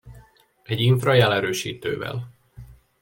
Egy infra jelerősítővel.